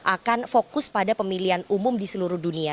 akan fokus pada pemilihan umum di seluruh dunia